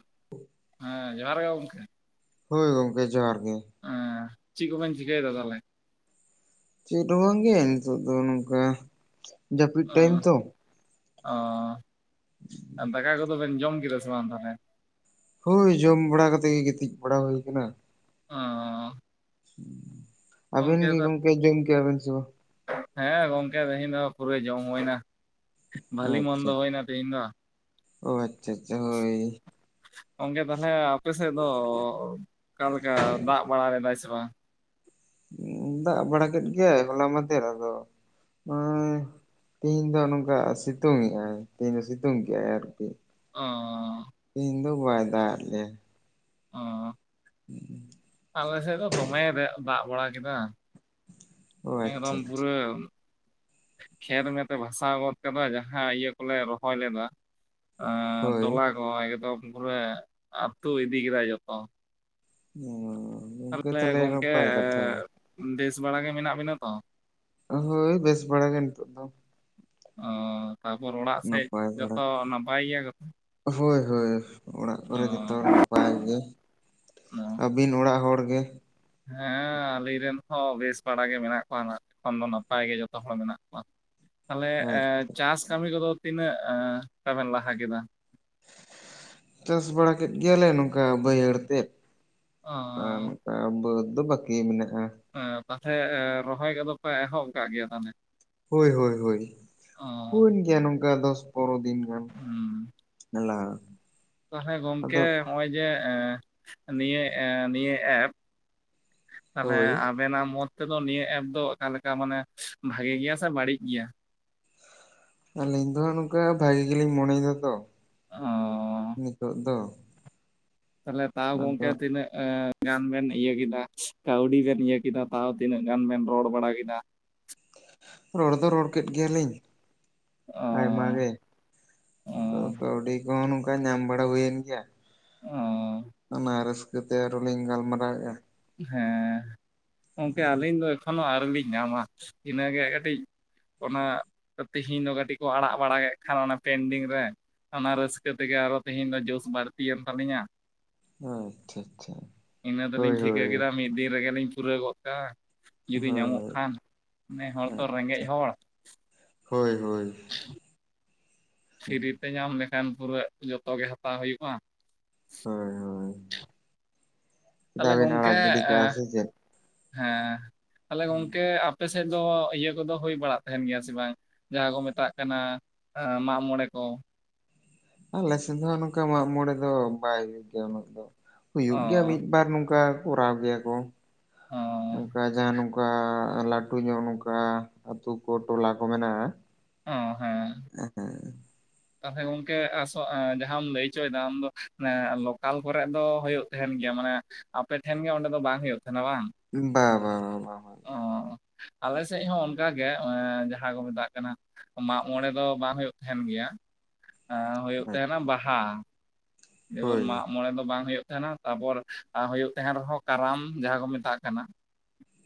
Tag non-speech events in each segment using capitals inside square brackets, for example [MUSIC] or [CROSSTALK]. [INAUDIBLE] ᱦᱮᱸ, ᱡᱚᱦᱟᱨ ᱜᱮ ᱜᱚᱝᱠᱮ? ᱦᱚᱭ, ᱜᱚᱝᱠᱮ ᱡᱚᱦᱟᱨ ᱜᱮ᱾ ᱦᱮᱸ, ᱪᱮᱫ ᱠᱚᱵᱮᱱ ᱪᱤᱠᱟᱹᱭᱮᱫᱟ ᱛᱟᱦᱚᱞᱮ? ᱪᱮᱫ ᱦᱚᱸ ᱵᱟᱝ ᱜᱮ ᱱᱤᱛᱚᱜ ᱫᱚ, ᱱᱚᱝᱠᱟ ᱡᱟᱹᱯᱤᱫ ᱴᱟᱭᱤᱢ ᱛᱚ᱾ ᱚ᱾ ᱫᱟᱠᱟ ᱠᱚᱫᱚ ᱵᱮᱱ ᱡᱚᱢ ᱠᱮᱫᱟ ᱥᱮ ᱵᱟᱝ ᱛᱟᱦᱚᱞᱮ? ᱦᱳᱭ, ᱡᱚᱢ ᱵᱟᱲᱟ ᱠᱟᱛᱮᱜ ᱜᱮ ᱜᱤᱛᱤᱡ ᱵᱟᱲᱟ ᱦᱩᱭ ᱟᱠᱟᱱᱟ᱾ ᱚ᱾ ᱟᱹᱵᱤᱱ ᱜᱮ ᱜᱚᱝᱠᱮ ᱡᱚᱢ ᱠᱮᱜ-ᱟ ᱵᱤᱱ ᱥᱮ ᱵᱟᱝ? ᱦᱮᱸ, ᱜᱚᱝᱠᱮ ᱛᱮᱦᱮᱧ ᱫᱚ ᱯᱩᱨᱟᱹ ᱡᱚᱢ ᱦᱩᱭ ᱮᱱᱟ, ᱵᱷᱟᱹᱞᱤ ᱟᱪᱪᱷᱟ ᱢᱚᱱᱫᱚ ᱦᱩᱭᱮᱱᱟ ᱛᱮᱦᱮᱧ ᱫᱚ᱾ ᱚ, ᱟᱪᱪᱷᱟ ᱟᱪᱪᱷᱟ, ᱦᱳᱭ᱾ ᱜᱚᱝᱠᱮ ᱛᱟᱦᱚᱞᱮ ᱟᱯᱮ ᱥᱮᱫ ᱫᱚ ᱚᱠᱟ ᱞᱮᱠᱟ ᱫᱟᱜ ᱵᱟᱲᱟ ᱞᱮᱫᱟᱭ ᱥᱮ ᱵᱟᱝ? ᱫᱟᱜ ᱵᱟᱲᱟ ᱠᱮᱫ ᱜᱮᱭᱟᱭ ᱦᱚᱞᱟ ᱢᱟᱸᱫᱷᱮᱨ, ᱟᱫᱚ ᱩᱸᱻ ᱛᱮᱦᱤᱧ ᱫᱚ ᱱᱚᱝᱠᱟ ᱥᱤᱛᱩᱝ ᱮᱜ-ᱟᱭ, ᱛᱮᱦᱤᱧ ᱫᱚ ᱥᱤᱛᱩᱝ ᱠᱮᱜ-ᱟᱭ ᱟᱨᱠᱤ᱾ ᱚ᱾ ᱛᱮᱦᱤᱧ ᱫᱚ ᱵᱟᱭ ᱫᱟᱜ ᱟᱜ ᱞᱮᱭᱟ᱾ ᱚ᱾ ᱟᱞᱮ ᱥᱮᱫ ᱫᱚ ᱫᱚᱢᱮ ᱫᱟᱜ, ᱫᱟᱜ ᱵᱟᱲᱟ ᱠᱮᱫᱟᱭ᱾ ᱚ ᱟᱪᱪᱷᱟ ᱮᱠᱫᱚᱢ ᱟᱪᱪᱷᱟ ᱯᱩᱨᱟᱹ᱾ ᱠᱷᱮᱛ ᱢᱮᱫ ᱮ ᱵᱷᱟᱥᱟᱣ ᱜᱚᱫ ᱠᱟᱫᱟ, ᱡᱟᱦᱟᱸ ᱤᱭᱟᱹ ᱠᱚᱞᱮ ᱨᱚᱦᱚᱭ ᱞᱮᱫᱟ᱾ ᱮᱸ ᱦᱳᱭ ᱛᱚᱞᱟ ᱠᱚ ᱮᱠᱫᱚᱢ ᱯᱩᱨᱟᱹ ᱟᱹᱛᱩ ᱤᱫᱤ ᱠᱮᱫᱟᱭ ᱡᱚᱛᱚ᱾ ᱚᱻ᱾ ᱛᱟᱦᱚᱞᱮ ᱜᱚᱝᱠᱮ ᱵᱮᱥ ᱵᱟᱲᱟ ᱜᱮ ᱢᱮᱱᱟᱜ ᱵᱮᱱᱟ ᱛᱚ? ᱦᱳᱭ, ᱵᱮᱥ ᱵᱟᱲᱟ ᱜᱮ ᱱᱤᱛᱚᱜ ᱫᱚ᱾ ᱚ, ᱛᱟᱨᱯᱚᱨ ᱚᱲᱟᱜ ᱥᱮᱡ ᱱᱟᱯᱟᱭ ᱵᱟᱲᱟ ᱡᱚᱛᱚ ᱱᱟᱯᱟᱭ ᱜᱮᱭᱟ ᱠᱚ ᱛᱚ? ᱦᱳᱭ ᱦᱳᱭ, ᱚᱲᱟᱜ ᱠᱚᱨᱮ ᱡᱚᱛᱚ ᱱᱟᱼᱼ ᱱᱟᱯᱟᱭ ᱜᱮ, ᱟᱹᱵᱤᱱ ᱚᱲᱟᱜ ᱦᱚᱲ ᱜᱮ? ᱦᱮᱸ, ᱟᱹᱞᱤᱧ ᱨᱮᱱ ᱦᱚᱸ ᱵᱮᱥ ᱵᱟᱲᱟ ᱜᱮ ᱢᱮᱱᱟᱜ ᱠᱚᱣᱟ ᱱᱟᱦᱜ ᱾ᱮᱠᱷᱚᱱ ᱫᱚ ᱱᱟᱯᱟᱭ ᱜᱮ ᱡᱷᱚᱛᱚ ᱦᱚᱲ ᱢᱮᱱᱟᱜ ᱠᱚᱣᱟ᱾ ᱛᱟᱦᱚᱞᱮ ᱮ ᱦᱮᱸ ᱪᱟᱥ ᱠᱟᱹᱢᱤ ᱠᱚᱫᱚ ᱛᱤᱱᱟᱹᱜ ᱮ ᱛᱟᱵᱮᱱ ᱞᱟᱦᱟ ᱠᱮᱫᱟ? ᱪᱟᱥ ᱵᱟᱲᱟ ᱠᱮᱫ ᱜᱮᱭᱟᱞᱮ ᱱᱚᱝᱠᱟ ᱵᱟᱹᱭᱦᱟᱹᱲ ᱛᱮᱫ ᱚ ᱟᱨ ᱵᱟᱹᱫᱽ ᱫᱚ ᱵᱟᱠᱤ ᱢᱮᱱᱟᱜ-ᱟ᱾ ᱮᱸ ᱯᱟᱥᱮᱡ ᱨᱚᱦᱚᱭ ᱠᱚᱫᱚ ᱯᱮ ᱮᱦᱚᱵ ᱟᱠᱟᱫ ᱜᱮᱭᱟ ᱛᱟᱦᱚᱞᱮ? ᱦᱳᱭ ᱦᱳᱭ ᱦᱳᱭ, ᱚ ᱦᱩᱭᱮᱱ ᱜᱮᱭᱟ ᱱᱚᱝᱠᱟ ᱫᱚᱥ ᱯᱚᱸᱨᱚ ᱫᱤᱱ ᱜᱟᱱ᱾ ᱦᱩᱸ ᱢᱮᱞᱟ ᱛᱟᱦᱚᱞᱮ ᱜᱚᱝᱠᱮ ᱦᱚᱸᱜ-ᱚᱭ ᱡᱮ, ᱮ ᱱᱤᱭᱟᱹ ᱮ ᱱᱤᱭᱟᱹ ᱮᱯ ᱛᱟᱦᱚᱞᱮ ᱦᱳᱭ ᱟᱵᱮᱱᱟᱜ ᱢᱳᱛ ᱛᱮᱫᱚ, ᱱᱤᱭᱟᱹ ᱮᱯ ᱫᱚ ᱚᱠᱟ ᱞᱮᱠᱟ ᱢᱟᱱᱮ ᱵᱷᱟᱜᱮ ᱜᱮᱭᱟ ᱥᱮ ᱵᱟᱹᱲᱤᱡ ᱜᱮᱭᱟ? ᱟᱹᱞᱤᱧ ᱫᱚ ᱱᱚᱝᱠᱟ ᱵᱷᱟᱜᱤ ᱜᱮᱞᱤᱧ ᱢᱚᱱᱮᱭᱮᱫᱟ ᱛᱚ ᱚᱻ ᱱᱤᱛᱚᱜ ᱫᱚ ᱾ ᱛᱟᱦᱚᱞᱮ ᱛᱟᱣ ᱜᱚᱝᱠᱮ ᱛᱤᱱᱟᱹᱜ ᱮ ᱜᱟᱱ ᱵᱮᱱ ᱤᱭᱟᱹ ᱠᱮᱫᱟ ᱠᱟᱹᱣᱰᱤ ᱵᱮᱱ ᱤᱭᱟᱹ ᱠᱮᱫᱟ ᱛᱟᱣ ᱛᱤᱱᱟᱹᱜ ᱜᱟᱱ ᱵᱮᱱ ᱨᱚᱲ ᱵᱟᱲᱟ ᱠᱮᱫᱟ? ᱨᱚᱲ ᱫᱚ ᱨᱚᱲ ᱠᱮᱫ ᱜᱮᱭᱟᱞᱤᱧ ᱟᱭᱢᱟ ᱚᱻ ᱜᱮ᱾ ᱟᱫᱚ ᱚᱻ ᱠᱟᱹᱣᱰᱤ ᱠᱚᱦᱚᱸ ᱱᱚᱝᱠᱟ ᱧᱟᱢ ᱵᱟᱲᱟ ᱦᱩᱭᱮᱱ ᱜᱮᱭᱟ᱾ ᱚ ᱚᱱᱟ ᱨᱟᱹᱥᱠᱟᱹ ᱛᱮ ᱟᱨᱚ ᱞᱤᱧ ᱜᱟᱞᱢᱟᱨᱟᱣᱮᱫᱼᱟ ᱾ ᱦᱮᱸ ᱜᱚᱢᱠᱮ ᱟᱹᱞᱤᱧ ᱫᱚ ᱮᱠᱷᱚᱱᱳ ᱟᱹᱣᱨᱤ ᱞᱤᱧ ᱧᱟᱢᱟ ᱤᱱᱟᱹᱜᱮ ᱠᱟᱹᱴᱤᱡ ᱚᱱᱟ ᱛᱮᱦᱤᱧ ᱫᱚ ᱠᱟᱹᱴᱤᱡ ᱠᱚ ᱟᱲᱟᱜ ᱵᱟᱲᱟ ᱠᱮᱫ ᱠᱷᱟᱱ ᱚᱱᱟ ᱯᱮᱱᱰᱤᱝ ᱨᱮ᱾ ᱚᱱᱟ ᱨᱟᱹᱥᱠᱟᱹ ᱛᱮᱜᱮ ᱟᱨᱚ ᱛᱮᱦᱮᱧ ᱫᱚ ᱡᱳᱥ ᱵᱟᱹᱲᱛᱤᱭᱮᱱ ᱛᱟᱹᱞᱤᱧᱟ ᱾ ᱦᱳᱭ ᱟᱪᱪᱷᱟ ᱟᱪᱪᱷᱟ ᱤᱱᱟᱹ ᱫᱚᱞᱤᱧ ᱦᱳᱭ ᱴᱷᱤᱠᱟᱹ ᱦᱳᱭ᱾ ᱠᱮᱫᱟ ᱢᱤᱫ ᱫᱤᱱ ᱨᱮᱜᱮᱞᱤᱧ ᱯᱩᱨᱟᱹᱣ ᱜᱚᱜ ᱠᱟᱜ-ᱟ ᱡᱩᱫᱤ ᱧᱟᱢᱚᱜ ᱦᱳᱭ ᱠᱷᱟᱱ ᱱᱮ ᱦᱚᱲ ᱫᱚ ᱨᱮᱸᱜᱮᱡ ᱦᱚᱲ᱾ ᱦᱳᱭ ᱦᱳᱭ᱾ ᱯᱷᱤᱨᱤ ᱛᱮ ᱧᱟᱢ ᱞᱮᱠᱷᱟᱱ ᱯᱩᱨᱟᱹ ᱡᱚᱛᱚ ᱜᱮ ᱦᱟᱛᱟᱣ ᱦᱩᱭᱩᱜᱼᱟ ᱾ ᱦᱳᱭ ᱦᱳᱭ ᱛᱟᱦᱚᱞᱮ ᱪᱮᱫᱟᱜ ᱵᱤᱱ ᱜᱚᱝᱠᱮ ᱟᱲᱟᱜ ᱜᱤᱰᱤ ᱠᱟᱜ-ᱟ ᱥᱮ ᱪᱮᱫ? ᱦᱮᱸ ᱛᱟᱦᱞᱮ ᱜᱚᱝᱠᱮ ᱟᱯᱮ ᱥᱮᱫ ᱫᱚ ᱤᱭᱟᱹ ᱠᱚᱫᱚ ᱦᱩᱭ ᱵᱟᱲᱟᱜ ᱛᱟᱦᱮᱱ ᱜᱮᱭᱟ ᱥᱮ ᱵᱟᱝ ᱡᱟᱦᱟᱸ ᱠᱚ ᱢᱮᱛᱟᱜ ᱠᱟᱱᱟ ᱾ ᱢᱟᱜᱽ ᱢᱚᱬᱮ ᱠᱚ? ᱟᱞᱮ ᱥᱮᱫ ᱫᱚ ᱦᱚᱸ ᱱᱚᱝᱠᱟ ᱢᱟᱜᱽ ᱢᱚᱬᱮ ᱫᱚ ᱵᱟᱭ ᱦᱩᱭᱩᱜ ᱜᱮᱭᱟ ᱩᱱᱟᱹᱜ ᱫᱚ᱾ ᱚ ᱦᱩᱭᱩᱜ ᱜᱮᱭᱟ ᱢᱤᱫᱵᱟᱨ ᱱᱚᱝᱠᱟ ᱠᱚᱨᱟᱣ ᱜᱮᱭᱟ ᱠᱚ᱾ ᱚ ᱚᱱᱠᱟ ᱡᱟᱦᱟᱸ ᱱᱚᱝᱠᱟ ᱞᱟᱹᱴᱩ ᱧᱚᱜ ᱱᱚᱝᱠᱟ ᱟᱹᱛᱩ ᱠᱚ ᱴᱚᱞᱟ ᱠᱚ ᱢᱮᱱᱟᱜᱼᱟ ᱾ ᱚ ᱦᱮᱸ᱾ ᱛᱟᱦᱚᱞᱮ ᱜᱚᱝᱠᱮ ᱟᱥ ᱡᱟᱦᱟᱸ ᱟᱢ ᱞᱟᱹᱭ ᱦᱚᱪᱚᱭᱮᱫᱟ ᱟᱢ ᱫᱚ ᱞᱚᱠᱟᱞ ᱠᱚᱨᱮ ᱫᱚ ᱦᱩᱭᱩᱜ ᱛᱟᱦᱮᱱ ᱜᱮᱭᱟ ᱢᱟᱱᱮ ᱟᱯᱮᱴᱷᱮᱱ ᱜᱮ ᱚᱸᱰᱮ ᱫᱚ ᱵᱟᱝ ᱦᱩᱭᱩᱜ ᱛᱟᱦᱮᱱᱟ ᱵᱟᱝ? ᱵᱟ ᱵᱟ ᱵᱟ ᱵᱟ᱾ ᱚ ᱟᱞᱮ ᱥᱮᱫ ᱦᱚᱸ ᱚᱱᱠᱟ ᱜᱮ ᱡᱟᱦᱟᱸ ᱠᱚ ᱢᱮᱛᱟᱜ ᱠᱟᱱᱟ ᱢᱟᱜᱽᱢᱚᱬᱮ ᱫᱚ ᱵᱟᱝ ᱦᱩᱭᱩᱜ ᱛᱟᱦᱮᱱ ᱜᱮᱭᱟ ᱦᱩᱭᱩᱜ ᱛᱟᱦᱮᱱᱟ ᱵᱟᱦᱟ ᱾ ᱡᱮᱵᱚᱱ ᱦᱳᱭ ᱢᱟᱜᱽ ᱢᱚᱬᱮ ᱫᱚ ᱵᱟᱝ ᱦᱩᱭᱩᱜ ᱛᱟᱸᱦᱮᱱᱟ ᱛᱟᱯᱚᱨ ᱦᱩᱭᱩᱜ ᱛᱟᱦᱮᱸᱱ ᱨᱮᱦᱚᱸ ᱠᱟᱨᱟᱢ ᱡᱟᱦᱟᱸ ᱠᱚ ᱢᱮᱛᱟᱜ ᱠᱟᱱᱟ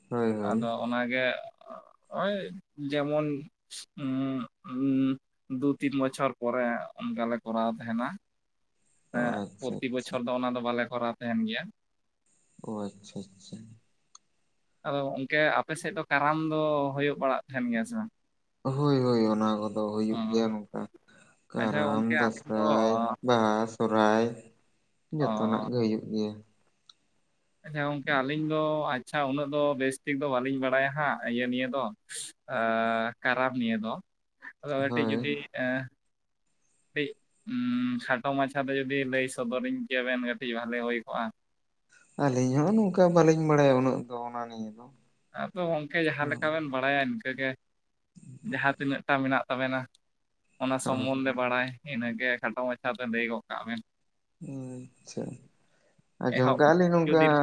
ᱦᱳᱭ ᱦᱳᱭ ᱟᱫᱚ ᱚᱱᱟᱜᱮ ᱳᱭ ᱡᱮᱢᱚᱱ ᱩᱢ ᱩᱢ ᱫᱩ ᱛᱤᱱ ᱵᱚᱪᱷᱚᱨ ᱯᱚᱨᱮ ᱚᱱᱠᱟᱞᱮ ᱠᱚᱨᱟᱣ ᱛᱟᱦᱮᱱᱟ ᱾ ᱚ ᱟᱪᱪᱷᱟ ᱯᱨᱚᱛᱤ ᱟᱪᱪᱷᱟ ᱵᱚᱪᱷᱚᱨ ᱫᱚ ᱚᱱᱟ ᱫᱚ ᱵᱟᱞᱮ ᱠᱚᱨᱟᱣ ᱛᱟᱦᱮᱱ ᱜᱮᱭᱟ ᱾ ᱚ ᱟᱪᱪᱷᱟ ᱟᱪᱪᱷᱟ᱾ ᱟᱫᱚ ᱜᱚᱝᱠᱮ ᱟᱯᱮᱥᱮᱫ ᱫᱚ ᱠᱟᱨᱟᱢ ᱫᱚ ᱦᱩᱭᱩᱜ ᱵᱟᱲᱟᱜ ᱛᱟᱦᱮᱱ ᱜᱮᱭᱟ ᱥᱮ ᱵᱟᱝ? ᱦᱳᱭ ᱦᱳᱭ ᱚᱱᱟ ᱠᱚᱫᱚ ᱚ ᱦᱩᱭᱩᱜ ᱜᱮᱭᱟ ᱜᱚᱝᱠᱮ᱾ ᱟᱪᱪᱷᱟ ᱠᱟᱨᱟᱢ, ᱜᱚᱝᱠᱮ ᱟᱹᱞᱤᱧ ᱫᱚ ᱚ ᱫᱟᱥᱟᱭ, ᱵᱟᱦᱟ ᱥᱚᱦᱚᱨᱟᱭ ᱡᱚᱛᱚᱱᱟᱜ ᱜᱮ ᱦᱩᱭᱩᱜ ᱜᱮᱭᱟ ᱾ ᱟᱪᱪᱷᱟ ᱜᱚᱝᱠᱮ ᱟᱹᱞᱤᱧ ᱫᱚ ᱟᱪᱪᱷᱟ ᱩᱱᱟᱹᱜ ᱫᱚ ᱵᱮᱥᱴᱷᱤᱠ ᱫᱚ ᱵᱟᱹᱞᱤᱧ ᱵᱟᱲᱟᱭᱟ ᱦᱟᱸᱜ ᱤᱭᱟᱹ ᱱᱤᱭᱟᱹ ᱫᱚ ᱮᱸ ᱠᱟᱨᱟᱢ ᱱᱤᱭᱮ ᱫᱚ ᱟᱫᱚ ᱠᱟᱹᱴᱤᱡ ᱦᱳᱭ ᱡᱩᱫᱤ ᱮᱸ ᱠᱟᱹᱴᱤᱡ ᱠᱷᱟᱴᱚ ᱢᱟᱪᱷᱟ ᱛᱮ ᱡᱩᱫᱤ ᱞᱟᱹᱭ ᱥᱚᱫᱚᱨᱤᱧ ᱠᱮᱭᱟ ᱵᱮᱱ ᱠᱟᱹᱴᱤᱡ ᱵᱷᱟᱹᱞᱤ ᱦᱩᱭ ᱠᱚᱜᱼᱟ ᱾ ᱟᱹᱞᱤᱧ ᱦᱚᱸ ᱱᱚᱝᱠᱟ ᱵᱟᱹᱞᱤᱧ ᱵᱟᱲᱟᱭᱟ ᱩᱱᱟᱹᱜ ᱫᱚ ᱚᱱᱟ ᱱᱤᱭᱮ ᱫᱚ᱾ ᱟᱫᱚ ᱜᱚᱝᱠᱮ ᱡᱟᱦᱟᱸ ᱞᱮᱠᱟ ᱵᱮᱱ ᱵᱟᱲᱟᱭᱟ ᱤᱱᱠᱟᱹ ᱜᱮ ᱡᱟᱦᱟᱸ ᱛᱤᱱᱟᱹᱜ ᱴᱟ ᱢᱮᱱᱟᱜ ᱛᱟᱵᱮᱱᱟ ᱚᱱᱟ ᱥᱚᱢᱚᱱᱫᱷᱮ ᱵᱟᱲᱟᱭ ᱤᱱᱟᱹᱜᱮ ᱠᱷᱟᱴᱚ ᱢᱟᱪᱷᱟᱛᱮ ᱞᱟᱹᱭ ᱜᱚᱫ ᱠᱟᱜ ᱢᱮᱱ? ᱟᱪᱪᱷᱟ, ᱟᱡᱚᱢ ᱮᱦᱚᱵ ᱠᱟᱜ-ᱟ ᱟᱞᱤᱧ ᱱᱚᱝᱠᱟ᱾ ᱫᱤᱱ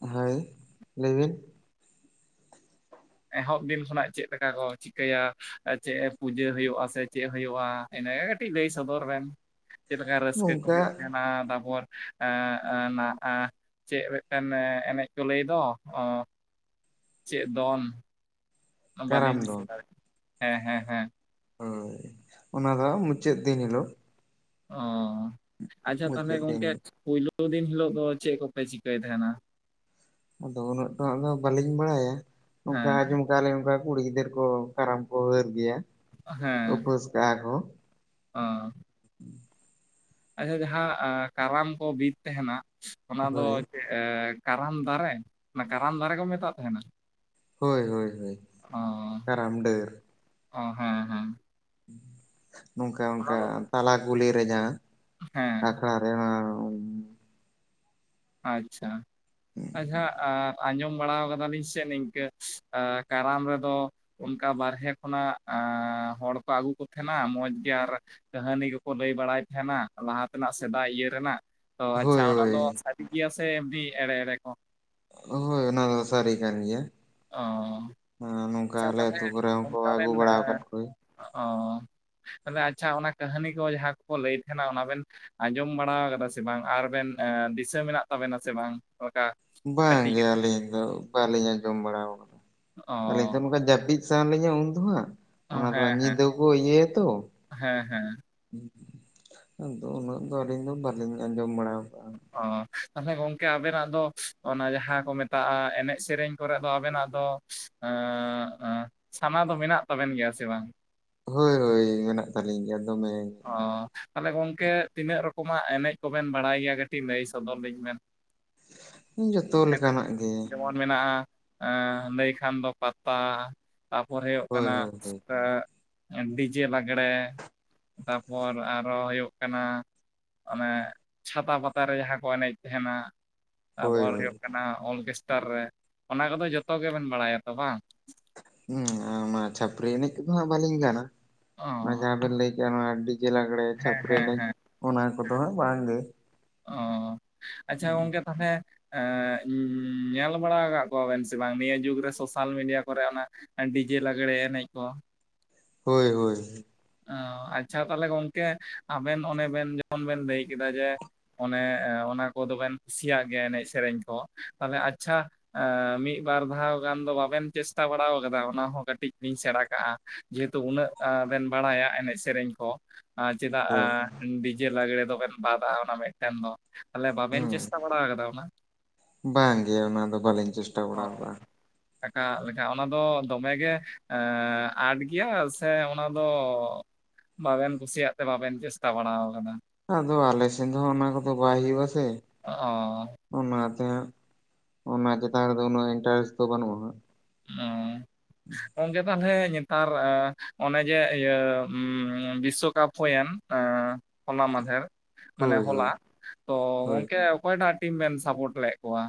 ᱦᱳᱭ ᱞᱟᱹᱭ ᱵᱤᱱ᱾ ᱮᱦᱚᱵ ᱫᱤᱱ ᱠᱷᱚᱱᱟᱜ ᱪᱮᱫ ᱞᱮᱠᱟ ᱠᱚ ᱪᱤᱠᱟᱹᱭᱟ᱾ ᱪᱮᱫ ᱯᱩᱡᱟᱹ ᱦᱩᱭᱩᱜ-ᱟ ᱥᱮ ᱪᱮᱫ ᱦᱳᱭᱳᱜ-ᱟ᱾ ᱤᱱᱟᱹᱜᱮ ᱠᱟᱹᱴᱤᱡ ᱞᱟᱹᱭ ᱥᱚᱫᱚᱨ ᱵᱮᱱ᱾ ᱪᱮᱫ ᱞᱮᱠᱟ ᱨᱟᱹᱥᱠᱟᱹ ᱠᱚ ᱱᱚᱝᱠᱟ ᱦᱩᱭᱩᱜ ᱛᱟᱦᱮᱸᱱᱟ ᱛᱟᱨᱯᱚᱨ ᱮ ᱮ ᱱᱟ ᱮ ᱪᱮᱫ ᱢᱤᱫᱴᱮᱱ ᱮᱱᱮᱡ ᱠᱚ ᱞᱟᱹᱭ ᱫᱚ? ᱚ ᱪᱮᱫ ᱫᱚᱱ? [INAUDIBLE] ᱠᱟᱨᱟᱢ ᱵᱟᱹᱞᱤᱧ ᱫᱤᱥᱟᱹ ᱫᱚᱱ ᱫᱟᱲᱮᱭᱟᱜ [INAUDIBLE] ᱦᱮᱸ ᱦᱮᱸ ᱦᱮᱸ᱾ ᱦᱳᱭ, ᱚᱱᱟᱫᱚ ᱢᱩᱪᱟᱹᱫ ᱫᱤᱱ ᱦᱤᱞᱳᱜ᱾ ᱚᱻ ᱟᱪᱪᱷᱟ ᱛᱟᱦᱚᱸᱞᱮ ᱢᱩᱪᱟᱹᱫ ᱫᱤᱱ ᱜᱚᱝᱠᱮ ᱯᱩᱭᱞᱩ ᱫᱤᱱ ᱦᱤᱞᱳ ᱫᱚ ᱪᱮᱫ ᱠᱚᱯᱮ ᱪᱤᱠᱟᱹᱭ ᱛᱟᱦᱮᱸᱱᱟ᱾ ᱟᱫᱚ ᱩᱱᱟᱹᱜ ᱴᱟᱜ ᱫᱚ ᱵᱟᱹᱞᱤᱧ ᱵᱟᱲᱟᱭᱟ᱾ ᱱᱚᱝᱠᱟ ᱦᱮᱸ ᱟᱸᱡᱚᱢ ᱛᱟᱦᱚᱸᱞᱮ ᱚᱱᱠᱟ ᱠᱩᱲᱤ ᱜᱤᱫᱽᱨᱟᱹ ᱠᱚ᱾ ᱠᱟᱨᱟᱢ ᱠᱚ ᱦᱟᱹᱨ ᱜᱮᱭᱟ᱾ ᱦᱮᱸ, ᱩᱯᱟᱹᱥ ᱠᱟᱜᱼᱟ ᱠᱚ [INAUDIBLE] ᱚ [INAUDIBLE] ᱟᱪᱪᱷᱟ ᱡᱟᱦᱟᱸ ᱟ ᱠᱟᱨᱟᱢ ᱠᱚ ᱵᱤᱫ ᱛᱟᱦᱮᱸᱱᱟ᱾ ᱚᱱᱟ ᱫᱚ ᱦᱳᱭ ᱮᱸᱻ ᱠᱟᱨᱟᱢ ᱫᱟᱨᱮ, ᱚᱱᱟ ᱠᱟᱨᱟᱢ ᱫᱟᱨᱮ ᱠᱚ ᱢᱮᱛᱟᱜ ᱛᱟᱦᱮᱸᱱᱟ? ᱦᱳᱭ ᱦᱳᱭ ᱦᱳᱭ, ᱠᱟᱨᱟᱢ ᱰᱟᱹᱨ᱾ ᱚ ᱦᱮᱸ ᱦᱮᱸ᱾ ᱱᱚᱝᱠᱟ ᱚᱱᱟ ᱚᱝᱠᱟ ᱫᱚ ᱛᱟᱞᱟ ᱠᱩᱞᱦᱤ ᱨᱮ ᱡᱟᱦᱟᱸ, ᱦᱮᱸ ᱟᱠᱷᱲᱟ᱾ [UNINTELLIGIBLE] ᱟᱪᱪᱷᱟ, ᱟᱪᱪᱷᱟ ᱟ ᱟᱡᱚᱢ ᱵᱟᱲᱟ ᱠᱟᱫᱟᱞᱤᱧ ᱥᱮ ᱱᱤᱝᱠᱟᱹ᱾ ᱮ ᱠᱟᱨᱟᱢ ᱨᱮᱫᱚ ᱚᱱᱠᱟ ᱵᱟᱨᱦᱮ ᱠᱷᱚᱱᱟᱜ᱾ ᱟᱻ ᱦᱚᱲᱠᱚ ᱟᱹᱜᱩ ᱠᱚ ᱛᱟᱦᱮᱸᱱᱟ ᱢᱚᱸᱡᱽᱜᱮ ᱟᱨ ᱠᱟᱹᱦᱱᱤ ᱠᱚᱠᱚ ᱞᱟᱹᱭ ᱵᱟᱲᱟᱭ ᱛᱟᱦᱮᱸᱱᱟ ᱞᱟᱦᱟ ᱛᱮᱱᱟᱜ ᱥᱮᱫᱟᱭ ᱤᱭᱟᱹ ᱨᱮᱱᱟᱜ᱾ ᱛᱚ ᱦᱳᱭ ᱟᱪᱪᱷᱟ ᱚᱱᱟ ᱫᱚ, ᱦᱳᱭ ᱥᱟᱹᱨᱤ ᱜᱮᱭᱟ ᱥᱮ ᱮᱢᱱᱤ ᱮᱲᱮ ᱮᱲᱮ ᱠᱚ ᱦᱳᱭ ᱚᱱᱟ, ᱥᱟᱨᱤ ᱠᱟᱱ ᱜᱮᱭᱟ᱾ ᱚᱻ᱾ ᱱᱚᱝᱠᱟ ᱟᱞᱮ ᱟᱹᱛᱩ ᱠᱚᱨᱮ ᱦᱚᱸᱠᱚ ᱟᱹᱜᱩ ᱵᱟᱲᱟ ᱟᱠᱟᱫ ᱠᱚᱣᱟ᱾ ᱚᱻ ᱛᱟᱦᱚᱸᱞᱮ ᱟᱪᱪᱷᱟ ᱚᱱᱟ ᱠᱟᱹᱦᱱᱤ ᱠᱚ ᱢᱟᱦᱟ ᱠᱚᱠᱚ ᱞᱟᱹᱭᱮᱫ ᱛᱟᱦᱮᱸᱱᱟ ᱚᱱᱟ ᱵᱮᱱ ᱟᱸᱡᱚᱢ ᱵᱟᱲᱟ ᱠᱟᱫᱟ ᱥᱮ ᱵᱟᱝ? ᱟᱨᱵᱮᱱ ᱮ ᱫᱤᱥᱟᱹ ᱢᱮᱱᱟᱜ ᱛᱟᱵᱮᱱᱟ ᱥᱮ ᱵᱟᱝ, ᱚᱱᱠᱟ᱾ ᱵᱟᱝ ᱠᱟᱹᱴᱤᱡ ᱜᱮ ᱟᱞᱤᱧ ᱫᱚ᱾ ᱵᱟᱞᱤᱧ ᱟᱸᱡᱚᱢ ᱵᱟᱲᱟᱣ ᱠᱟᱫᱟ᱾ ᱟᱹᱞᱤᱧ ᱫᱚ ᱚ ᱱᱚᱝᱠᱟ ᱡᱟᱹᱵᱤᱫ ᱥᱟᱱᱟ ᱞᱤᱧᱟ ᱩᱱ ᱫᱚ ᱦᱟᱸᱜ᱾ ᱚᱱᱟ ᱦᱮᱸ ᱫᱚ ᱦᱮᱸ ᱧᱤᱫᱟᱹ ᱠᱚ ᱤᱭᱟᱹᱭᱟᱛᱚ᱾ ᱦᱮᱸ ᱦᱮᱸ ᱟᱫᱚ ᱩᱱᱟᱹᱜ ᱫᱚ ᱟᱹᱞᱤᱧ ᱫᱚ ᱵᱟᱹᱞᱤᱧ ᱟᱸᱡᱚᱢ ᱵᱟᱲᱟ ᱠᱟᱜ-ᱟ᱾ ᱚᱻ ᱛᱟᱦᱚᱸᱞᱮ ᱜᱚᱝᱠᱮ ᱟᱵᱮᱱᱟᱜ ᱫᱚ᱾ ᱚᱱᱟ ᱡᱟᱦᱟᱸ ᱠᱚ ᱢᱮᱛᱟᱜ-ᱟ ᱮᱱᱮᱡ ᱥᱮᱨᱮᱸᱧ ᱠᱚᱨᱮᱜ ᱫᱚ ᱟᱵᱮᱱᱟᱜ ᱫᱚ᱾ ᱥᱟᱱᱟ ᱫᱚ ᱢᱮᱱᱟᱜ ᱛᱟᱵᱮᱱ ᱜᱮᱭᱟ ᱥᱮ ᱵᱟᱝ? ᱦᱳᱭ ᱦᱳᱭ, ᱢᱮᱱᱟᱜ ᱛᱟᱹᱞᱤᱧ ᱜᱮᱭᱟ ᱫᱚᱢᱮ ᱜᱮ᱾ ᱚ, ᱛᱟᱦᱚᱸᱞᱮ ᱜᱚᱝᱠᱮ ᱛᱤᱱᱟᱹᱜ ᱨᱚᱠᱚᱢᱟᱜ ᱮᱱᱮᱡ ᱠᱚᱵᱮᱱ ᱵᱟᱲᱟᱭ ᱜᱮᱭᱟ ᱠᱟᱹᱴᱤᱡ ᱞᱟᱹᱭ ᱥᱚᱫᱚᱨ ᱞᱤᱧ ᱵᱮᱱ᱾ ᱡᱚᱛᱚ ᱢᱮᱱᱟᱜ-ᱟ ᱞᱮᱠᱟᱱᱟᱜ ᱜᱮ ᱡᱮᱢᱚᱱ᱾ ᱢᱮᱱᱟᱜ-ᱟ ᱟ ᱱᱟᱹᱭ ᱠᱷᱟᱱ ᱫᱚ ᱯᱟᱛᱟ᱾ ᱛᱟᱯᱚᱨ ᱦᱩᱭᱩᱜ ᱦᱳᱭ ᱠᱟᱱᱟ᱾ ᱦᱳᱭ ᱦᱳᱭ ᱰᱤᱡᱮ ᱞᱟᱜᱽᱬᱮ᱾ ᱛᱟᱯᱚᱨ ᱟᱨᱚ ᱦᱩᱭᱩᱜ ᱠᱟᱱᱟ᱾ ᱚᱱᱮ ᱪᱷᱟᱛᱟ ᱯᱟᱛᱟ ᱨᱮ ᱡᱟᱦᱟᱸ ᱠᱚ ᱮᱱᱮᱡ ᱛᱟᱦᱮᱸᱱᱟ᱾ ᱦᱳᱭ ᱛᱟᱨᱯᱚᱨ ᱦᱳᱭ ᱦᱩᱭᱩᱜ ᱠᱟᱱᱟ ᱚᱨᱜᱮᱥᱴᱟᱨ ᱨᱮ᱾ ᱚᱱᱟ ᱠᱚᱫᱚ ᱡᱚᱛᱚ ᱜᱮᱵᱮᱱ ᱵᱟᱲᱟᱭᱟ ᱛᱚ ᱵᱟᱝ? ᱦᱮ ᱚᱱᱟ ᱪᱷᱟᱹᱯᱨᱤ ᱮᱱᱮᱡ ᱠᱚᱫᱚ ᱦᱟᱜ ᱵᱟᱹᱞᱤᱧ ᱜᱟᱱᱟ ᱚ ᱡᱟᱦᱟᱸ ᱵᱮᱱ ᱞᱟᱹᱭ ᱞᱮᱭ ᱢᱮ ᱰᱤᱡᱮ ᱞᱟᱜᱽᱲᱮ, ᱦᱮᱸ ᱪᱷᱟᱯᱨᱤ ᱦᱮᱸ ᱦᱮᱸ ᱮᱱᱮᱡ ᱚᱱᱟ ᱠᱚᱫᱚ ᱦᱟᱸᱜ ᱵᱟᱝᱜᱮ᱾ ᱚ, ᱟᱪᱪᱷᱟ ᱜᱚᱝᱠᱮ ᱛᱟᱦᱚᱹᱞᱮ? ᱮᱻ ᱧᱮᱞ ᱵᱟᱲᱟ ᱠᱟᱜ ᱠᱚᱣᱟᱵᱮᱱ ᱥᱮ ᱵᱟᱝ ᱱᱤᱭᱟᱹ ᱡᱩᱜᱽ ᱨᱮ ᱥᱳᱥᱟᱞ ᱢᱤᱰᱤᱭᱟ ᱠᱚᱨᱮ᱾ ᱚᱱᱟ ᱰᱤᱡᱮ ᱞᱟᱟᱜᱲᱮ ᱮᱱᱮᱡ ᱠᱚ ᱾ ᱦᱳᱭ ᱦᱳᱭ ᱾ ᱚ ᱟᱪᱪᱷᱟ ᱛᱟᱦᱚᱞᱮ ᱜᱚᱝᱠᱮ ᱟᱵᱮᱱ ᱚᱱᱮ ᱵᱮᱱ ᱡᱮᱢᱚᱱ ᱵᱮᱱ ᱞᱟᱹᱭ ᱠᱮᱫᱟ ᱡᱮ ᱚᱱᱮ ᱚᱱᱟ ᱠᱚᱫᱚ ᱵᱮᱱ ᱠᱩᱥᱤᱭᱟᱜ ᱜᱮᱭᱟ ᱮᱱᱮᱡ ᱥᱮᱨᱮᱧ ᱠᱚ ᱛᱟᱦᱚᱞᱮ ᱟᱪᱪᱷᱟ ᱢᱤᱫ ᱵᱟᱨ ᱫᱷᱟᱣ ᱜᱟᱱ ᱫᱚ ᱵᱟᱵᱮᱱ ᱪᱮᱥᱴᱟ ᱵᱟᱲᱟᱣ ᱠᱟᱫᱟ ᱚᱱᱟ ᱦᱚᱸ ᱠᱟᱹᱴᱤᱡ ᱞᱤᱧ ᱥᱮᱬᱟ ᱠᱟᱜᱼᱟ ᱾ ᱡᱮᱦᱮᱛᱩ ᱩᱱᱟᱹᱜ ᱵᱮᱱ ᱵᱟᱲᱟᱭᱟ ᱮᱱᱮᱡ ᱥᱮᱨᱮᱧ ᱠᱚ ᱪᱮᱫᱟᱜᱼᱟ ᱦᱳᱭ ᱰᱤᱡᱮ ᱞᱟᱜᱽᱲᱮ ᱫᱚᱵᱮᱱ ᱵᱟᱫᱼᱟ ᱚᱱᱟ ᱢᱤᱫᱴᱮᱱ ᱫᱚ ᱛᱟᱦᱚᱞᱮ ᱵᱟᱵᱮᱱ ᱪᱮᱥᱴᱟ ᱵᱟᱲᱟ ᱟᱠᱟᱫᱟ ᱚᱱᱟ? ᱵᱟᱝ ᱜᱮ ᱚᱱᱟ ᱫᱚ ᱵᱟᱹᱞᱤᱧ ᱪᱮᱥᱴᱟ ᱵᱟᱲᱟᱣ ᱠᱟᱜ-ᱟ ᱾ ᱟᱠᱟᱜ ᱞᱮᱠᱟ ᱚᱱᱟ ᱫᱚ ᱫᱚᱢᱮᱜ ᱜᱮ ᱟᱴ ᱜᱮᱭᱟ ᱥᱮ ᱚᱱᱟ ᱫᱚ ᱵᱟᱵᱮᱱ ᱠᱩᱥᱤᱭᱟᱜ ᱛᱮ ᱵᱟᱵᱮᱱ ᱪᱮᱥᱴᱟ ᱵᱟᱲᱟᱣ ᱠᱟᱱᱟ ᱾ ᱟᱫᱚ ᱟᱞᱮ ᱥᱮᱱ ᱫᱚ ᱚᱱᱟ ᱠᱚᱫᱚ ᱵᱟᱭ ᱦᱩᱭᱩᱜ ᱟ ᱥᱮ ᱾ ᱚ ᱾ ᱚᱱᱟᱛᱮ ᱚᱱᱟ ᱪᱮᱛᱟᱱ ᱨᱮᱫᱚ ᱩᱱᱟᱹᱜ ᱤᱱᱴᱟᱨᱮᱥᱴ ᱫᱚ ᱵᱟᱹᱱᱩᱜᱼᱟ᱾ ᱚ ᱜᱚᱢᱠᱮ ᱛᱟᱦᱚᱞᱮ ᱟᱨ ᱚᱱᱮ ᱡᱮ ᱤᱭᱟᱹ ᱵᱤᱥᱚᱠᱟᱯ ᱦᱩᱭᱮᱱ ᱦᱚᱞᱟ ᱢᱟᱫᱷᱮᱨ ᱢᱟᱱᱮ ᱦᱳᱭ ᱦᱚᱞᱟ ᱦᱳᱭ ᱛᱚ ᱦᱳᱭ ᱜᱚᱝᱠᱮ ᱚᱠᱚᱭᱴᱟᱜ ᱴᱤᱢ ᱵᱮᱱ ᱥᱟᱯᱳᱨᱴ ᱞᱮᱫ ᱠᱚᱣᱟ?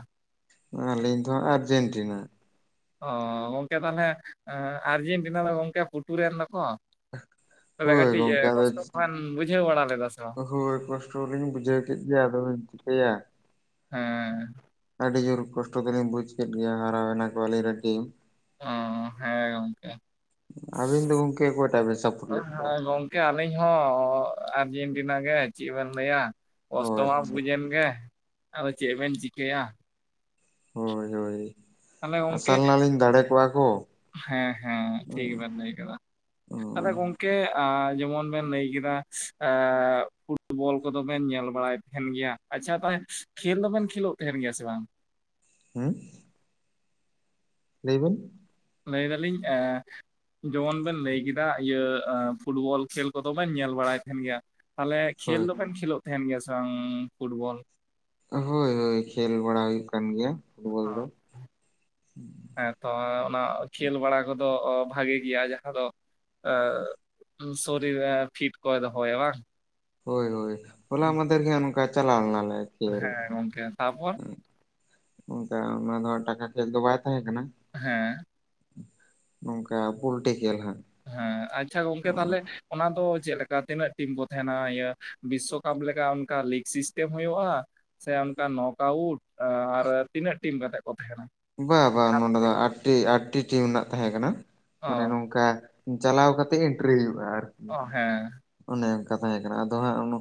ᱟᱹᱞᱤᱧ ᱫᱚ ᱟᱨᱡᱮᱱᱴᱤᱱᱟ᱾ ᱚ ᱜᱚᱝᱠᱮ ᱛᱟᱦᱚᱞᱮ ᱟᱨᱡᱮᱱᱴᱤᱱᱟ ᱫᱚ ᱜᱚᱝᱠᱮ ᱯᱩᱴᱩᱨ ᱨᱮᱱ ᱫᱚᱠᱚ᱾ ᱛᱟᱦᱚᱞᱮ ᱦᱳᱭ ᱠᱟᱹᱴᱤᱡ ᱜᱚᱝᱠᱮ ᱟᱫᱚ ᱠᱚᱥᱴᱚ ᱠᱚᱵᱤᱱ ᱵᱩᱡᱷᱟᱹᱣ ᱵᱟᱲᱟ ᱞᱮᱫᱟ ᱥᱮ ᱵᱟᱝ? ᱦᱳᱭ ᱠᱚᱥᱴᱚᱚᱞᱤᱧ ᱵᱩᱡᱷᱟᱹᱣ ᱠᱮᱫ ᱜᱮᱭᱟ ᱟᱫᱚ‌ ᱞᱤᱧ ᱪᱤᱠᱟᱹᱭᱟ᱾ ᱦᱮᱸ ᱾ ᱟᱹᱰᱤ ᱡᱳᱨ ᱠᱚᱥᱴᱚ ᱜᱮᱞᱤᱧ ᱵᱩᱡᱽ ᱠᱮᱫ ᱜᱮᱭᱟ ᱦᱟᱨᱟᱣᱮᱱᱟ ᱠᱚ ᱟᱞᱤᱧ ᱨᱮᱱ ᱴᱤᱢ᱾ ᱚ ᱦᱮᱸ ᱜᱚᱢᱠᱮ᱾ ᱟᱹᱵᱤᱱ ᱫᱚ ᱜᱚᱢᱠᱮ ᱚᱠᱚᱭᱴᱟᱜ ᱵᱤᱱ ᱥᱟᱯᱳᱨᱴ ᱞᱮᱫ ᱠᱚᱣᱟ? ᱦᱮᱸ ᱜᱚᱝᱠᱮ ᱟᱹᱞᱤᱧ ᱦᱚᱸ ᱟᱨᱡᱮᱱᱴᱤᱱᱟ ᱜᱮ ᱪᱮᱫ ᱵᱮᱱ ᱞᱟᱹᱭᱟ᱾ ᱚ ᱠᱚᱥᱴᱚ ᱢᱟ ᱟᱪᱪᱷᱟ ᱵᱩᱡ ᱮᱱ ᱜᱮ ᱟᱫᱚ ᱪᱮᱫ ᱵᱮᱱ ᱪᱤᱠᱟᱹᱭᱟ᱾ ᱦᱳᱭ ᱦᱳᱭ ᱾ ᱛᱟᱦᱞᱮ ᱜᱚᱢᱠᱮ ᱦᱮᱸ ᱦᱮᱸ ᱴᱷᱤᱠ ᱜᱮᱵᱤᱱ ᱞᱟᱹᱭ ᱠᱟᱫᱟ᱾ ᱛᱟᱦᱚᱞᱮ ᱜᱚᱝᱠᱮ ᱡᱮᱢᱚᱱ ᱵᱮᱱ ᱞᱟᱹᱭ ᱠᱮᱫᱟ ᱮ ᱯᱷᱩᱴᱵᱚᱞ ᱠᱚᱫᱚᱵᱮᱱ ᱧᱮᱞ ᱵᱟᱲᱟᱭ ᱧᱮᱞ ᱜᱮᱭᱟ ᱟᱪᱪᱷᱟ ᱛᱟᱦᱚᱞᱮ ᱠᱷᱮᱞ ᱫᱚᱵᱮᱱ ᱠᱷᱮᱞᱳᱜ ᱛᱟᱦᱮᱱ ᱜᱮᱭᱟ ᱥᱮ ᱵᱟᱝ? ᱦᱩᱸ ᱾ ᱞᱟᱹᱭ ᱵᱤᱱ ᱾ ᱞᱟᱹᱭ ᱫᱟᱞᱤᱧ ᱮᱸ ᱾ ᱡᱮᱢᱚᱱ ᱵᱮᱱ ᱞᱟᱹᱭ ᱠᱮᱫᱟ ᱤᱭᱟᱹ ᱯᱷᱩᱴᱵᱚᱞ ᱠᱷᱮᱞ ᱠᱚᱫᱚ ᱵᱮᱱ ᱧᱮᱞ ᱵᱟᱲᱟᱭ ᱛᱟᱦᱮᱱ ᱜᱮᱭᱟ᱾ ᱛᱟᱦᱚᱞᱮ ᱠᱷᱮᱞ ᱦᱳᱭ ᱫᱚᱵᱮᱱ ᱠᱷᱮᱞᱳᱜ ᱛᱟᱦᱮᱱ ᱜᱮᱭᱟ ᱥᱮ ᱵᱟᱝ ᱯᱷᱩᱴᱵᱚᱞ? ᱦᱳᱭ ᱦᱳᱭ ᱠᱷᱮᱞ ᱵᱟᱲᱟ ᱦᱩᱭᱩᱜ ᱠᱟᱱ ᱜᱮᱭᱟ᱾ ᱯᱷᱩᱴᱵᱚᱞ ᱚ ᱫᱚ ᱦᱮᱸ ᱾ ᱛᱚ ᱚᱱᱟ ᱠᱷᱮᱞ ᱵᱟᱲᱟ ᱠᱚᱫᱚ ᱵᱷᱟᱜᱮ ᱜᱮᱭᱟ ᱡᱟᱦᱟᱸ ᱫᱚ ᱟ ᱥᱚᱨᱤᱨ ᱨᱮ ᱯᱷᱤᱴ ᱠᱚᱭ ᱫᱟᱦᱚᱭᱟᱭ ᱵᱟᱝ᱾ ᱦᱳᱭ ᱦᱳᱭ ᱦᱚᱞᱟ ᱢᱟᱫᱷᱮᱨ ᱠᱷᱚᱱ ᱚᱱᱠᱟ ᱪᱟᱞᱟᱣ ᱞᱮᱱᱟᱞᱮ ᱠᱷᱮᱞ ᱦᱮᱸ ᱜᱚᱝᱠᱮ ᱛᱟᱯᱚᱨ ᱚᱱᱠᱟ ᱚᱱᱟ ᱫᱚ ᱴᱟᱠᱟ ᱠᱷᱮᱞ ᱫᱚ ᱵᱟᱝ ᱛᱟᱦᱮᱸ ᱠᱟᱱᱟ᱾ ᱦᱮᱸ ᱾ ᱱᱚᱝᱠᱟ ᱯᱩᱞᱴᱤ ᱠᱷᱮᱞ ᱦᱟᱸᱜ ᱾ ᱦᱮᱸ ᱟᱪᱷᱟ ᱜᱚᱝᱠᱮ ᱛᱟᱦᱚᱞᱮ ᱚᱱᱟ ᱫᱚ ᱪᱮᱫᱠᱟ ᱛᱤᱱᱟᱹᱜ ᱴᱤᱢ ᱠᱚ ᱛᱟᱦᱮᱱᱟ ᱤᱭᱟᱹ ᱵᱤᱥᱥᱚᱠᱟᱯ ᱞᱮᱠᱟ ᱚᱱᱠᱟ ᱞᱤᱜᱽ ᱥᱤᱥᱴᱮᱢ ᱦᱩᱭᱩᱜᱼᱟ᱾ ᱥᱮ ᱚᱱᱠᱟ ᱱᱚᱠ ᱟᱣᱩᱴ ᱟᱨ ᱛᱤᱱᱟᱹᱜ ᱴᱤᱢ ᱠᱟᱛᱮᱫ ᱠᱚ ᱛᱟᱦᱮᱱᱟ? ᱵᱟ ᱵᱟᱝ ᱱᱚᱰᱮ ᱫᱚ ᱟᱴᱴᱤ ᱟᱴᱴᱤ ᱴᱤᱢ ᱨᱮᱱᱟᱜ ᱛᱟᱦᱮᱸ ᱠᱟᱱᱟ ᱚ ᱢᱟᱱᱮ ᱱᱚᱝᱠᱟ ᱪᱟᱞᱟᱣ ᱠᱟᱛᱮᱜ ᱮᱱᱴᱨᱤ ᱦᱩᱭᱩᱜᱼᱟ ᱟᱨ ᱚ ᱦᱮᱸ᱾ ᱚᱱᱮ ᱚᱱᱠᱟ ᱛᱟᱦᱮᱸ ᱠᱟᱱᱟ ᱟᱫᱚ ᱦᱟᱸᱜ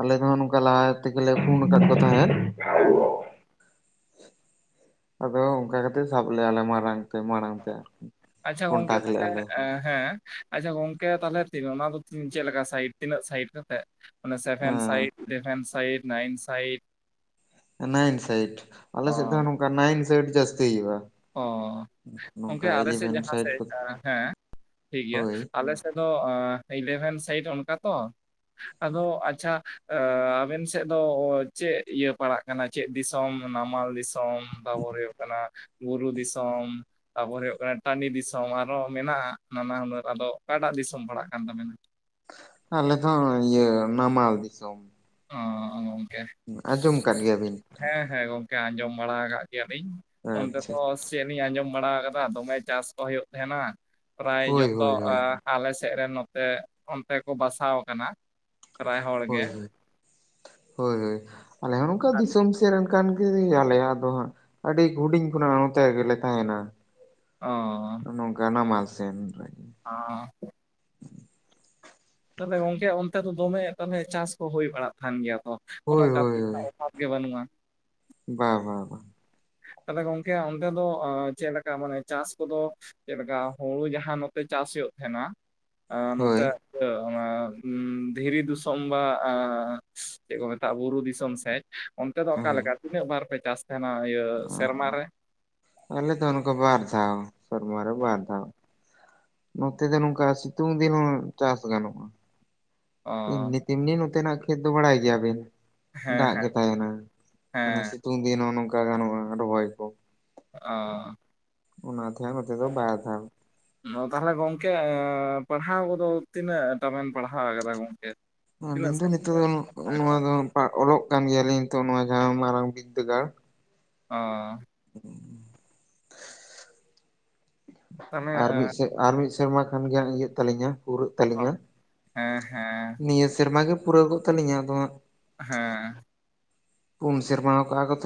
ᱟᱞᱮ ᱫᱚᱦᱚ ᱱᱚᱝᱠᱟ ᱞᱟᱦᱟ ᱛᱮᱜᱮᱞᱮ ᱯᱷᱳᱱ ᱟᱠᱟᱫ ᱠᱚ ᱛᱟᱦᱮᱸᱫ᱾ ᱦᱮᱸ, ᱟᱫᱚ ᱚᱱᱠᱟ ᱥᱟᱵ ᱞᱮᱫᱼᱟᱞᱮ ᱢᱟᱲᱟᱝ ᱢᱟᱲᱟᱝ ᱛᱮ ᱟᱨᱠᱤ ᱟᱪᱪᱷᱟ ᱜᱚᱝᱠᱮ ᱠᱚᱱᱴᱟᱠ ᱛᱟᱦᱚᱞᱮ ᱞᱮᱜ-ᱟ ᱞᱮ᱾ ᱦᱮᱸ ᱟᱪᱪᱷᱟ ᱜᱚᱝᱠᱮ ᱛᱟᱦᱚᱞᱮ ᱛᱤᱱᱟᱹᱜ ᱚᱱᱟ ᱫᱚ ᱪᱮᱫᱮ ᱞᱮᱠᱟ ᱥᱟᱭᱤᱴ ᱛᱤᱱᱟᱹᱜ ᱥᱟᱭᱤᱴ ᱠᱟᱛᱮᱜ ᱥᱮᱵᱷᱮᱱ ᱦᱮᱸ ᱥᱟᱭᱤᱴ ᱤᱞᱤᱵᱷᱮᱱ site ‌ nine site nine sites ᱚ ᱟᱞᱮᱥᱮᱫ ᱫᱚ ᱱᱚᱝᱠᱟ ᱱᱟᱭᱤᱱ ᱥᱟᱭᱤᱴ ᱡᱟᱥᱛᱤ ᱦᱩᱭᱩᱜ-ᱟ᱾ ᱚ ᱜᱚᱢᱠᱮ ᱟᱞᱮᱥᱮᱫ ᱡᱟᱦᱟᱸ ᱥᱟᱭᱤᱰ ᱠᱚ ᱥᱮᱫ ᱦᱮᱸ ᱴᱷᱤᱠ ᱜᱮᱭᱟ ᱦᱳᱭ ᱟᱞᱮ ᱱᱚᱛᱮ ᱫᱚ ᱤᱞᱮᱵᱷᱮᱱ ᱥᱟᱭᱤᱴ ᱚᱱᱠᱟ ᱛᱚ ᱟᱫᱚ ᱟᱪᱪᱷᱟ ᱟᱵᱮᱱ ᱥᱮᱫ ᱫᱚ ᱪᱮᱫ ᱤᱭᱟᱹ ᱯᱟᱲᱟᱜᱼᱼ ᱠᱟᱱᱟ ᱪᱮᱫ ᱫᱤᱥᱚᱢ ᱱᱟᱢᱟᱞ ᱫᱤᱥᱚᱢ ᱛᱟᱨᱯᱚᱨᱮ ᱦᱩᱭᱩᱜ ᱠᱟᱱᱟ ᱵᱩᱨᱩ ᱫᱤᱥᱚᱢᱼᱼ ᱛᱟᱯᱚᱨᱮ ᱦᱩᱭᱩᱜ ᱠᱟᱱᱟ ᱴᱟᱺᱰᱤ ᱫᱤᱥᱚᱢ ᱟᱨᱚ ᱢᱮᱱᱟᱜᱼᱟ ᱱᱟᱱᱟ ᱦᱩᱱᱟᱹᱨ ᱟᱫᱚ ᱚᱠᱟᱴᱟᱜ ᱫᱤᱥᱚᱢ ᱯᱟᱲᱦᱟᱜ ᱠᱟᱱ ᱛᱟᱵᱮᱱᱟ? ᱟᱞᱮ ᱫᱚ ᱤᱭᱟᱹ ᱱᱟᱢᱟᱞ ᱫᱤᱥᱚᱢ ᱾ ᱚ ᱜᱚᱢᱠᱮ, ᱟᱸᱡᱚᱢ ᱟᱠᱟᱫ ᱜᱮᱭᱟᱵᱤᱱ? ᱦᱮᱸ ᱦᱮᱸ ᱜᱚᱝᱠᱮ ᱟᱸᱡᱚᱢ ᱵᱟᱲᱟ ᱟᱠᱟᱫ ᱜᱮᱭᱟᱞᱤᱧ ᱚᱱᱛᱮ ᱟᱪᱪᱷᱟ ᱫᱚ ᱪᱮᱫ ᱞᱤᱧ ᱟᱸᱡᱚᱢ ᱵᱟᱲᱟ ᱟᱠᱟᱫᱟ ᱫᱚᱢᱮ ᱪᱟᱥ ᱠᱚ ᱦᱩᱭᱩᱜ ᱛᱟᱦᱮᱸᱱᱟ ᱯᱨᱟᱭ ᱦᱳᱭ ᱡᱚᱛᱚ ᱦᱳᱭ ᱮ ᱦᱳᱭ ᱟᱞᱮ ᱥᱮᱫ ᱨᱮᱱ ᱱᱚᱛᱮ ᱚᱱᱛᱮ ᱠᱚ ᱵᱟᱥᱟ ᱟᱠᱟᱱᱟ ᱾ ᱦᱳᱭ ᱦᱳᱭ ᱟᱞᱮ ᱦᱚᱸ ᱱᱚᱝᱠᱟ ᱫᱤᱥᱚᱢᱼᱼ ᱛᱮᱱ ᱠᱟᱱ ᱜᱮᱭᱟᱞᱮ ᱟᱫᱚ ᱦᱟᱸᱜ ᱟᱹᱰᱤ ᱦᱩᱰᱤᱧ ᱠᱷᱚᱱᱟᱜ ᱱᱚᱛᱮ ᱜᱮᱞᱮ ᱛᱟᱦᱮᱱᱟ ᱾ ᱚᱻ [INAUDIBLE] ᱚᱻ ᱛᱟᱦᱚᱞᱮ ᱜᱚᱝᱠᱮ ᱚᱱᱛᱮ ᱫᱚ ᱫᱚᱢᱮ ᱛᱟᱦᱚᱞᱮ ᱪᱟᱥ ᱠᱚ ᱦᱩᱭ ᱵᱟᱲᱟᱜ ᱛᱟᱦᱮᱱ ᱜᱮᱭᱟ ᱛᱚ? ᱠᱳᱱᱳ ᱦᱳᱭ ᱦᱳᱭ ᱠᱟᱹᱢᱤ ᱦᱳᱭ ᱨᱮᱱᱟᱜ ᱵᱟᱹᱱᱩᱜᱼᱟ ᱾ [INAUDIBLE] ᱵᱟ ᱵᱟ ᱵᱟ᱾ ᱛᱟᱦᱞᱮ ᱜᱚᱝᱠᱮ ᱚᱱᱛᱮ ᱫᱚ ᱪᱮᱫᱞᱮᱠᱟ ᱢᱟᱱᱮ ᱪᱟᱥ ᱠᱚᱫᱚ? ᱪᱮᱫᱞᱮᱠᱟ ᱦᱩᱲᱩ ᱡᱟᱦᱟᱸ ᱱᱚᱛᱮ ᱪᱟᱥ ᱦᱩᱭᱩᱜ ᱛᱟᱦᱮᱸᱱᱟ ᱦᱳᱭ ᱱᱚᱛᱮ ᱤᱭᱟᱹᱼᱼ ᱫᱷᱤᱨᱤ ᱫᱤᱥᱚᱢ ᱵᱟ ᱪᱮᱫ ᱠᱚ ᱢᱮᱛᱟᱜᱼᱟ ᱵᱩᱨᱩ ᱫᱤᱥᱚᱢ ᱥᱮᱫ᱾ ᱚᱱᱛᱮ ᱫᱚ ᱦᱳᱭ ᱚᱠᱟᱞᱮᱠᱟ ᱛᱤᱱᱟᱹᱜ ᱵᱟᱨ ᱯᱮ ᱪᱟᱥ ᱛᱟᱦᱮᱱᱟ ᱤᱭᱟᱹ ᱥᱮᱨᱢᱟᱨ ᱨᱮ? ᱟᱞᱮ ᱫᱚ ᱚᱱᱠᱟ ᱵᱟᱨ ᱫᱷᱟᱟᱣ ᱥᱚᱨᱢᱟᱨ ᱨᱮ ᱵᱟᱨ ᱫᱷᱟᱣ᱾ ᱱᱚᱛᱮ ᱫᱚ ᱱᱚᱝᱠᱟ ᱥᱤᱛᱩᱝ ᱫᱤᱱ ᱦᱚ ᱪᱟᱥ ᱜᱟᱱᱚᱜᱼᱟ ᱾ ᱚ ᱮᱢᱱᱤ ᱛᱮᱢᱱᱤ ᱱᱚᱛᱮ ᱱᱟᱜ ᱠᱷᱮᱛ ᱫᱚ ᱵᱟᱲᱟᱭ ᱜᱮᱭᱟᱵᱤᱱ ᱦᱮᱸ ᱫᱟᱜ ᱦᱮᱸ ᱜᱮ ᱛᱟᱦᱮᱱᱟ ᱢᱟᱱᱮ ᱦᱮᱸ ᱥᱤᱼᱼ ᱛᱩᱝ ᱫᱤᱱ ᱦᱚᱸ ᱱᱚᱝᱠᱟ ᱜᱟᱱᱚᱜᱼᱟ ᱨᱚᱦᱚᱭ ᱠᱚ ᱾ ᱚᱻ ᱚᱱᱟ ᱛᱟᱦᱮᱜ ᱱᱚᱛᱮ ᱫᱚ ᱵᱟᱭ ᱫᱷᱟᱣ᱾ [UNINTELLIGIBLE] ᱛᱟᱦᱚᱞᱮ ᱜᱚᱢᱠᱮ ᱯᱟᱲᱦᱟᱣ ᱠᱚᱫᱚ ᱛᱤᱱᱟᱹᱜ ᱴᱟᱢ ᱯᱟᱲᱦᱟᱣ ᱟᱠᱟᱫᱟ ᱜᱚᱢᱠᱮ? ᱟᱹᱞᱤᱧ ᱫᱚ ᱱᱤᱛᱚᱜ ᱫᱚ ᱱᱚᱣᱟ ᱫᱚ ᱚᱞᱚᱜ ᱠᱟᱱ ᱜᱮᱭᱟᱞᱤᱧ ᱱᱤᱛᱚᱜ ᱡᱟᱦᱟᱸ ᱢᱟᱨᱟᱝ ᱵᱫᱟᱹᱜᱟᱲ, ᱚᱻ [INAUDIBLE] ᱟᱨ ᱢᱤᱫ ᱛᱟᱦᱚᱞᱮ ᱥᱮ ᱟᱨ ᱢᱤᱫ ᱥᱮᱨᱢᱟ ᱠᱷᱟᱱ ᱜᱮ ᱦᱟᱸᱜ ᱤᱭᱟᱹᱜ ᱛᱟᱹᱞᱤᱧᱟ᱾ ᱯᱩᱨᱟᱹᱜ ᱛᱟᱹᱟᱞᱤᱧᱟ, ᱦᱮᱸ ᱦᱮᱸ ᱱᱤᱭᱟᱹ ᱥᱮᱨᱢᱟ ᱜᱮ ᱯᱩᱨᱟᱹᱠᱚᱜ ᱛᱟᱹᱞᱤᱧᱟ ᱟᱫᱚ ᱦᱟᱸᱜ ᱦᱮᱸ᱾ ᱯᱩᱱ ᱥᱮᱨᱢᱟᱣ ᱠᱟᱜᱼᱟ ᱠᱚᱛᱚ᱾